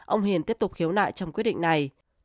ông hiền tiếp tục khiếu nại trong quyết định này